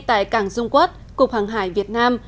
tại cảng dung quốc cục hàng hải việt nam